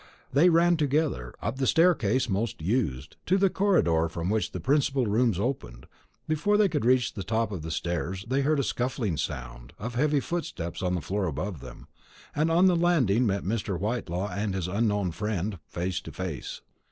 They ran together, up the staircase most used, to the corridor from which the principal rooms opened. Before they could reach the top of the stairs, they heard a scuffling hurrying sound of heavy footsteps on the floor above them, and on the landing met Mr. Whitelaw and his unknown friend; face to face.